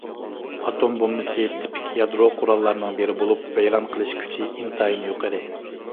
ئاتوم بومبىسى تىپىك يادرو قوراللارنىڭ بىرى بولۇپ، ۋەيران قىلىش كۈچى ئىنتايىن يۇقىرى.